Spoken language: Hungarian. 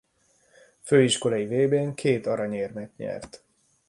Főiskolai Vb-n két aranyérmet nyert.